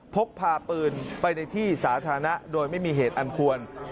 พกพาปืนไปในที่สาธารณะโดยไม่มีเหตุอันควร